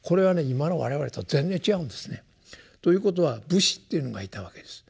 今の我々と全然違うんですね。ということは武士っていうのがいたわけです。